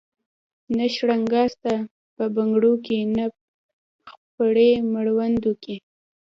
نه شرنګا سته په بنګړو کي نه خپړي مړوندو کي